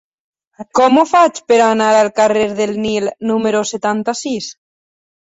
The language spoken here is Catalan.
Com ho faig per anar al carrer del Nil número setanta-sis?